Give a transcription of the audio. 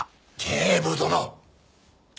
警部殿。